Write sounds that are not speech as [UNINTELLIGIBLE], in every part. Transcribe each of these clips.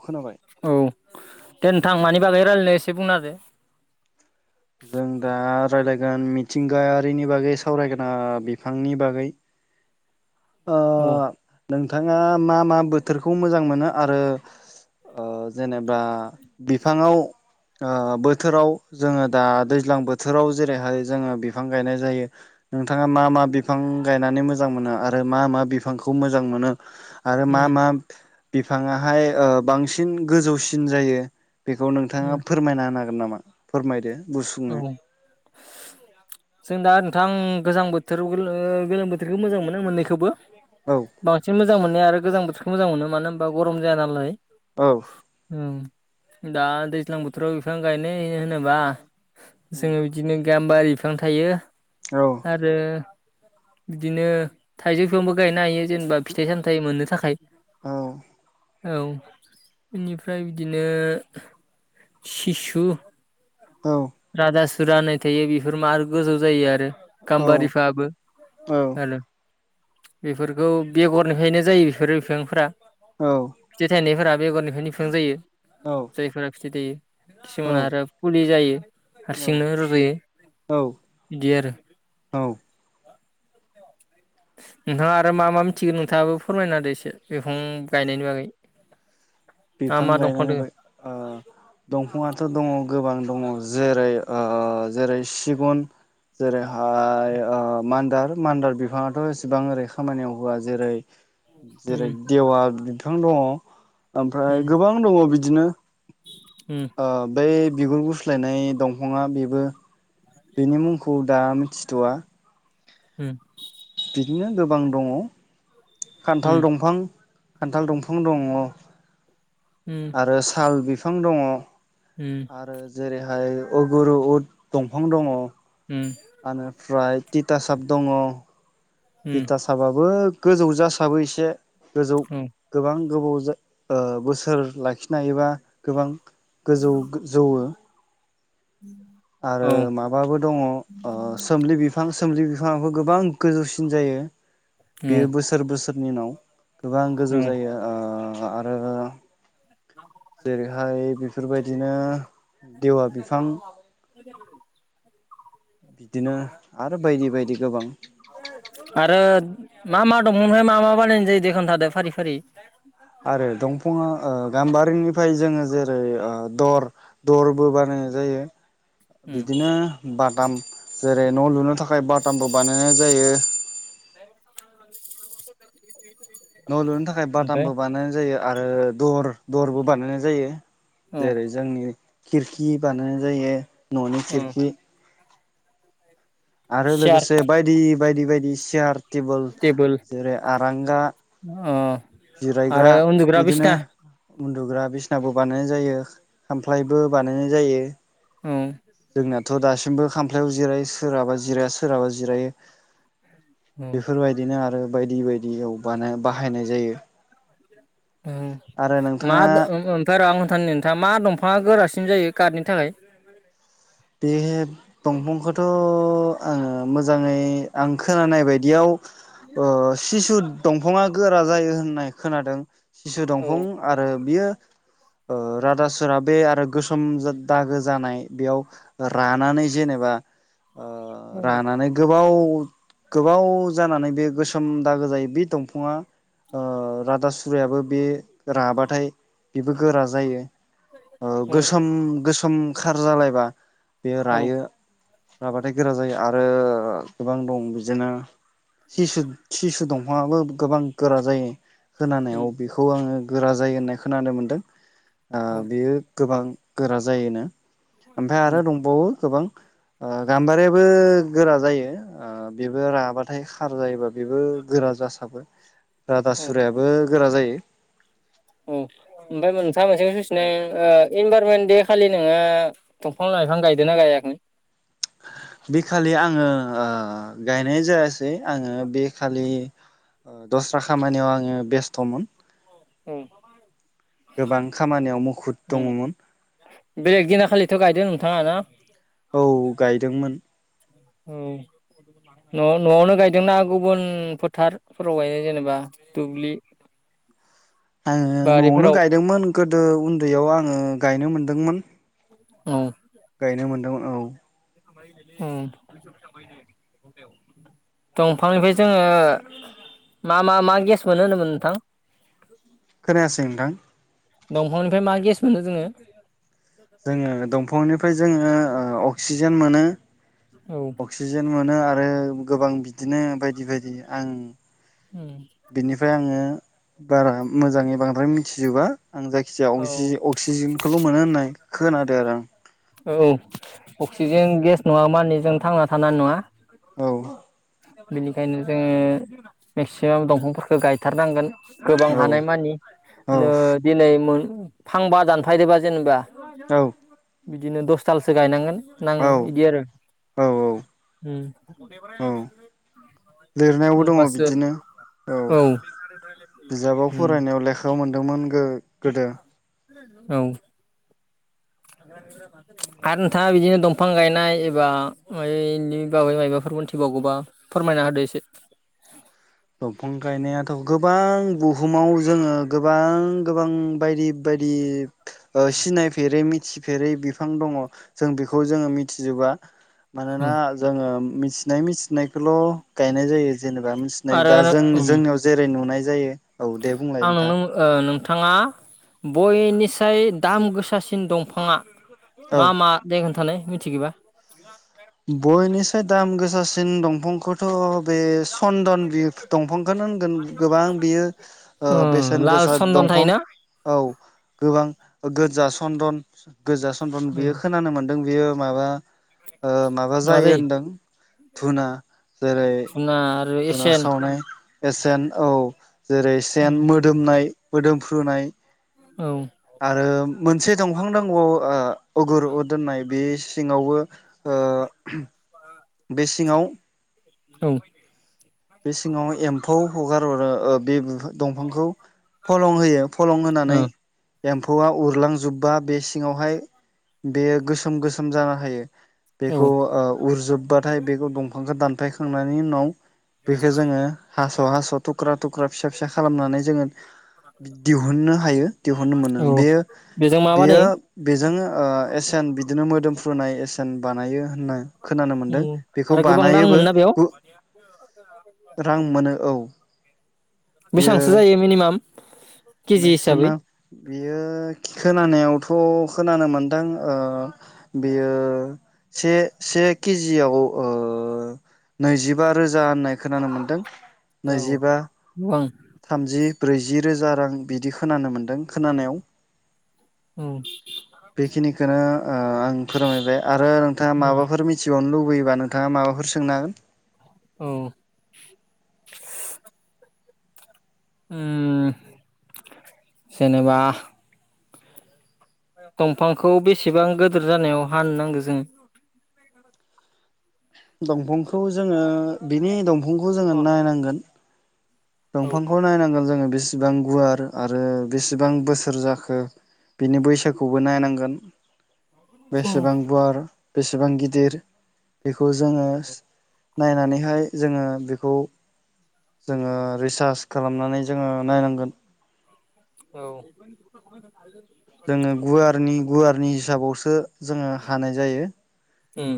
खोनाबाय औ थेन थां मानि बागै रायजलायनो एसे बुंनादो जों दा रायलायगो जान मिथिंगायारिनि बागै सावरायगोना बिफांनि बागै ओ औ नोंथाङा मा मा बोथोरखौ मोजां मोनो आरो ओ जेनेबा बिफांआव ओ बोथोराव जोंङो दा दैज्लां बोथोराव जेरैहाय जोंङो बिफां गायनाय जायो नोंथाआ मा मा बिफां गायनानै मोजां मोनो आरो आरो मा मा बिफांखौ मोजां मोनो आरो मा उम मा बिफांआ हाय ओ बांसिन गोजौसिन जायो। बेखौ नोंथाङा उम फोरमायना होना गोन नामा फोरमायदो। गुसुंङो औ जों दा नोंथां गोजां बोथोराव गोलोम बोथोरखौ मोजां मोनो मोन्नैखौबो। औ बांसिन मोजां मोननाया आरो गोजां बो बिखौ मोजां मोनो मानो होनबा गरम जाया नालाय। औ ओम। दा दैलां बोथोराव बिफां गायनायय होनोबा जोङो बिदिनो गाम्बारि बिफां थायो औ आरो बिदिनो थाइजौ फिफांबो गायनो हायो जेनेबा फिथाइ सामथायाइ मोननो थाखाय औ। औ इनिफ्राय बिदिनो सिसु औ राधा सुरा होननाय थायो बेफोर मार गोजौ जायो आरो। गामबारिफाबो आरो। बेफोरखौ बेगरनिफ्रायनो जायो बेफोर बिफांफोरा। फिथाय थायनायफोरआ बेगरनिफ्रायनो बिफां जायो औ जायफोरा फिथाइ थायो। खिसुमान आरो फुलि जायो। हारसिंनो रज'यो औ बिदि आरो औ नोंथाङा आरो मा मा मिथिगोन नोंथाङाबो फोरमायना होदो एसे बिफां गायनायनि बागै मा बिफां मा दंफां दोङो गायनानैबो ओ दंफाङाथ' दङ। गोबां दङ जेरै ओ जेरै सिगुन जेरैहाय ओ मान्दार मान्दार बिफाङाथ' एसेबां ओरै खामानियाव होआ जेरै उम जेरै देवा बिफां दङ ओमफ्राय उम गोबां दङ बिदिनो उम ओ बै बिगुर गुस्लायनाय दंफाङा बेबो बेनि मुंखौ दा मिथिथ'आ हम बिदिनो गोबां दङ। खान्थाल उम दंफां खान्थाल दंफां दङ उम आरो साल बि फां दङ उम आरो जेरैहाय अगुरु उद दंफां दङ उम आनिफ्राइ तिथासाप दङ उम तिथासाबाबो गोजौ जासाबो एसे गोजौ औ गोबां गोबाव जा ओ बोसोर लाखिनो हायोबा गोबां गोजौ गो जौवो औ आरो माबाबो दङ ओ सोमलि बिफां सोमलि बिफाङाबो गोबां गोजौसि सिम जायो औ बेयो बोसोर बोसोरनि उनाव गोबां गोजौ औ जायो ओ आ आरो जेरैहाय बेफोरबायदिनो देवा बिफां बिदिनो आरो बायदि बायदि गोबां आरो मा मा दंफांनिफ्राय मा मा बानायनाय जायो दे खोन्थादे फारि फारि आरो दंफाङा ओ गाम्बारिनिफाय जोङो जेरै ओ दर दरबो बानायनाय जायो उम बिदिनो बा टाम जेरै न' लुनो थाखाय बाटामबो बानायनाय जायो [INAUDIBLE] न' लुनो थाखाय ओमफ्राय बाटामबो बानायनाय जायो आरो दर दरबो बानायनाय जायो औ जेरै जोंनि खिरखि बानायनाय जायो न'नि औ खिरखि आरो सियार लोगोसे बायदि बायदि बायदि सियार टेबोल जेरै आरांगा अ जिरायग्रा आरो उन्दग्रा बिदिनो बिसना उन्दुग्रा बिसनाबो बानायनाय जायो खामफ्लायबो बानायनाय जायो। औ। नाथ दासिमबो खामफ्लायाव जिरायो सोरहाबा जिराया सोरहाबा जिरायो। औ बेफोरबायदिनो आरो। बायदि बायदियाव बानाय बाहायनाय जायो। ओ आरो मा नोंथाङा दङ ओम ओमफ्राय आथ नोंथाङा मा दम। फाङा गोरासिन जायो खारनि थाखाय। बे दंफांखौथ आङो मोजाङै आं खोनानाय बायदियाव अ सिशु दंफाङा गोरा जायो होननाय खोनादों सिसु औ दंफां आरो बियो। ओ रादा सोरा बे आरो गोसोम दागो जानाय बेयाव रानानै जेनेबा ओ औ रानानै गोबाव उम। गोबाव जानानै बे गोसोम दागो जायो बे दंफाङा आ राधास खुरायाबो बे राबाथाय। बेबो गोरा जायो ओ औ गोसोम गोसोम। खार जालायबा बे औ रायो राबाथाय गोरा जायो आरो ओ गोबां दं बिदिनो सिसु सिसु दं। फाङाबो गोबां गोरा जायो। उम खोनानायाव बेखौ आङो गोरा जायो होननाय खोनानो मोन्दों। ओ औ बेयो गोबां। गोरा जायोना। ओमफाय आरो औ दं। गोबां। अ गाम्बारियाबो गोरा जायो ओ बेबो राबाथाय खार जायोबा बेबो गोरा जासाबो राधा सुरायाबो गोरा जायो [INAUDIBLE] औ ओमफ्राय मोनथा मोनसेखौ सुसिनाय आ इनभाररमेन्ट दे खालि नोङो दंफां लाइफां गायदों ना गायाखै। बे खालि आङो ओ गायनाय जायासै आङो बे खालि दस्रा खामानियाव आङो बेस्थ'मोन। औ गोबां खामानियाव मुखुद उम दङमोन। थाङाना। औ गायदोंमोन आ। औ न न'आवनो गायदोंना गुबुन फोथारफोराव गायदों जेनेबा दुब्लि। आङो न'आवनो बारिफोराव गायदोंमोन गोदो उन्दैयाव आङो गायनो मोनदोंमोन। औ गायनो मोनदोंमोन। औ दंफांनिफ्राय जोङो मा मा मा गेस मोनो होनोमोन नोंथां। खोनायासै नोंथां। दंफांनिफ्राय मा गेस मोनो जोङो? जोङो दंफांनिफ्राय जोङो। ओ अक्सिजेन मोनो। औ अक्सिजेन मोनो आरो आरो गोबां बिदिनो बायदि बायदि आं। बिनिफ्राय आङो बारा मोजाङै बांद्राय मिथिजोबा। आं जायखिजाया अक्सि औ अक्सिजेनखौल' मोनो होननाय खोनादो आरो आं। औ अक्सिजेन गेस नङा माने जों थांना थानो हानाय नङा। औ। बिनिखायनो जोङो मेक्सिमाम दंफांफोरखौ गायथारनांगोन। गोबां औ हानायमानि औ नो दिनै मोन फांबा दानफायदो बा जेनेबा औ ज। बिदिनो दसथालसो गायनांगोन। नां औ बिदि आरो औ उम औ लिरनायावबो दङ होनबासो बिदिनो औ। दोंमोन गो गोदो। औ आरो नोंथाङा बिदिनो दंफां गायनाय एबा मनि बाबै माबाबो मिथिबावगौबा फोरमायना होदो एसे दंफां गायनायाथ' गोबां बुहुमाव जोङो गोबां गोबां बायदि-बायदि। ओ सिनायफेरै मि सिफेरै बिफां दङ जों बेखौ जोङो मिथिजोबा। औ मानोना जोङो‌ मिथिनाय मिथिनायखौल' गायनाय जायो जेनेबा। नै आरो दा जों उम जोंनियाव जेरै नुनाय जायो। औ दे बुंलाय आं नोंथां नोंनाव ओ नोंथां [UNINTELLIGIBLE] ङा बयनिसाय दाम गोसासिन दंफाङा मा औ मा दे खोन्थानाय मिथिगोबा बयनिसाय दाम गोसासिन दंफांखौथ' बे सन्दन बिफ दंफांखौनो होनगोन गोबां बियो ओ बेसेन लाल गोसा चन्दन दंफां थायोना औ गोबां गोजा सन्दन गोजा सन्दन उम बियो खोनानो मोनदों। बेयो माबा ओ माबा जायो होनदों धुना जेरै धुना आरो धुना एसेन सावनाय। एसेन औ जेरै सेन उम मोदोमनाय, मोदोमफ्रुनाय औ आरो मोनसे दंफां नांगौआव आ अगर दोननाय बे सिङावबो ओ बे सिङाव औ बे सिङाव एम्फौ हगार [UNINTELLIGIBLE] बे बिफां-दंफांखौ फलं होयो फलं होनानै ओ एम्फौआ उरलांजुब बा बे सिङावहाय बेयो गोसोम गोसोम [UNINTELLIGIBLE] जानो हायो औ बेखौ ओ उरजोबबाथाय बेखौ दंफांजों दानफायखा खांनायनि उनाव बेखौ जोङो हास' हास' थुख्रा-थुख्रा फिसा-फिसा खालामनानै जोङो दिहुननो हायो दिहुननो मोनो औ बेयो बेजों मा बेयो बानायो बेजोंनो ओ एसेन बिदिनो मोदोमफ्रुनाय एसेन बानायो होननाय खोनानो उम मोन्दों बेखौ आरो गोबां रां बानायोबो मोनोना बेयाव गु रां मोनो औ। बेयो बेसेबांसो जायो मिनिमाम? [INAUDIBLE] हिसाबै मेक्सिमाम बियो खोनानायावथ' खोनानो मोनदों ओ बियो से से केजियाव ओ नैजिबा रोजा होननाय खोनानो मोनदों। औ नैजिबा गोबां थामजि ब्रैजि रोजा रां बिदि खोनानो मोन्दों खोनानायाव। औ बेखिनिखौनो ओ आं फोरमायबाय। आरो नोंथाङा माबाफोर मिथिबावनो लुब लुबैबा नोंथाङा माबाफोर सोंनो हागोन। औ ओं जेनेबा दंफांखौ बेसेबां गोदोर जानायाव हानो नांगौ जों? दंफां बेखौ जोङो बिनि दंफांखौ जोङो नायनांगोन। अ दंफांखौ नायनांगोन जोङो बिस बेसेबां गुवार आरो बेसेबां बोसोर जाखो बिनि बैसोखौबो नायनांगोन। औ बेसेबां गुवार। बेसेबां गिदिर बेख खौ जोङो नायनानैहाय जोङो बेखौ जोङो रिसार्च खालामनानै जोङो नायनांगोन। औ जोङो गुवारनि गुवार नि हिसाबावसो जोङो हानाय जायो। ओम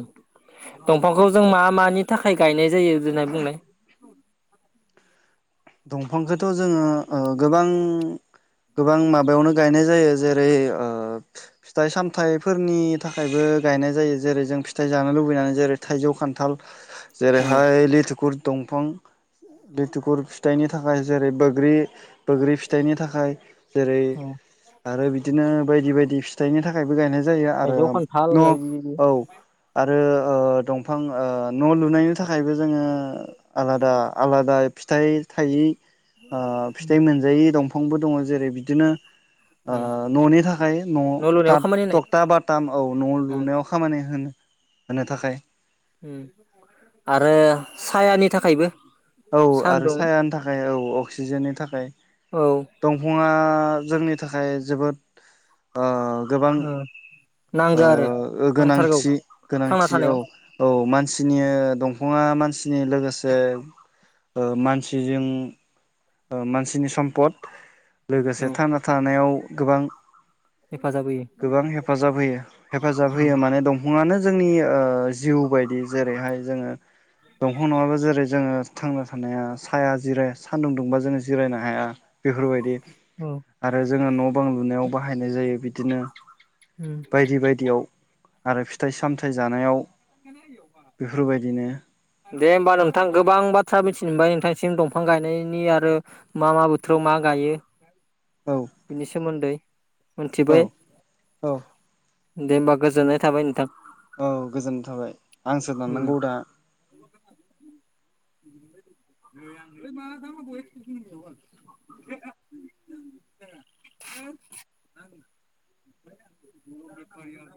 दंफांखौ जों मा मानि थाखाय गायनाय जायो देनाय बुंलाय। दंफांखौथ' जोङो ओ गोबां गोबां माबायावनो गायनाय जायो जेरै ओ फिथाइ सामथाइफोरनि थाखायबो गायनाय जायो जेरै जों फिथाइ जानो लुबैनानै जेरै थाइजौ खान्थाल। औ जेरैहाय लिथुखु दंफां बेथिगुर फिथाइनि थाखाय जेरै बोग्रि बोग्रि फिथाइनि थाखाय जेरै आरो बिदिनो बायदि बायदि फिथाइनि थाखायबो गायनाय जायो आरो थाइजौ खान्थाल न' होननाय बिदि औ आरो ओ दंफां ओ न' लुनायनि थाखायबो जोङो आलादा आलादा फिथाइ थायि ओ फिथाइ मोनजायै दंफां फांबो दङ जेरै बिदिनो ओ उम न'नि थाखाय लुनायाव न' खामानि होनाय थक्था बटाम औ न' उम लुनायाव खामानि होनो होनो थाखाय आरो सायानि थाखायबो औ आरो सानदुं सायानि थाखाय औ औ अक्सिजेननि थाखाय औ दंफांआ जोंनि थाखाय जोबोद ओ गोबां नांगो आरो ओ नांथारगौ गोनांथि थांना गोनांथि औ थानायाव औ मानसिनि दं नङा मानसिनि लोगोसे ओ मानसिजों ओ मानसिनि सम्पद लोगोसे औ थांना थानायाव गोबां हेफाजाब होयो गोबां हेफाजाब होयो हेफाजाब होयो उम माने दं ङानो जोंनि जिउ बायदि जेरैहाय जोङो दंफां नङाबो जेरै जोङो थांना थानाया साया जिराय सानदुं दुंबा जोङो जिरायनो हाया बेफोरबायदि आरो जोङो न' बां लुनायाव बाहायनाय जायो बिदिनो बायदि बायदियाव आरो फिथाइ सामथाइ जानायाव बेफोरबायदिनो दे होमबा नोंथां गोबां बाथ थ्रा मिथिनो मोनबाय नोंथांसिम दंफां गायनायनि आरो मा मा बोथोराव मा गायो औ बिनि सोमोन्दै औ मिथिबाय औ दे होमबा गोजोननाय थाबाय नोंथां। औ गोजोननाय थाबाय आंसो उम दाननांगौ दा [UNINTELLIGIBLE]